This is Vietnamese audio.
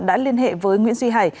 đã liên hệ với nguyễn duy hải